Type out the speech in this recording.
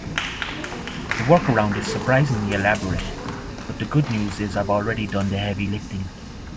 The workaround is surprisingly elaborate, but the good news is I've already done the heavy lifting.